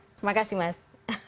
terima kasih mas